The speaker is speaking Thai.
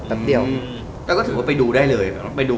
ถ้าเป็นการขับรถได้แทน